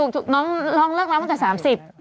ถูกน้องลองเลือกเรายุคนละตั้งแต่๓๐